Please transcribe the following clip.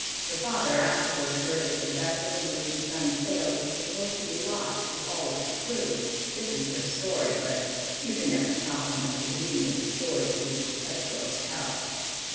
Her father afterward heard that the vessel in which his son sailed was supposed to be lost with all its crew. This is her story; but you can never tell how much to believe of the stories which such girls tell."